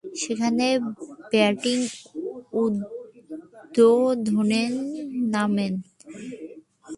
সেখানে ব্যাটিং উদ্বোধনে নামেন।